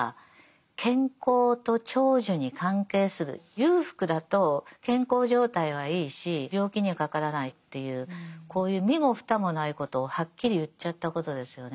裕福だと健康状態はいいし病気にはかからないっていうこういう身も蓋もないことをはっきり言っちゃったことですよね。